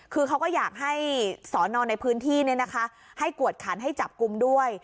คือเขาก็อยากให้สอนอนในพื้นที่ให้กวดขันให้จับกลุ่มด้วย